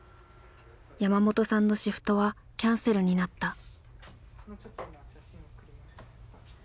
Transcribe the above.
山本さんのシフトはキャンセルになった。